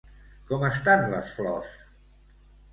Com estan les flors?